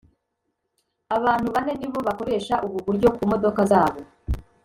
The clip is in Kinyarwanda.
abantu bane nibo bakoresha ubu buryo ku modoka zabo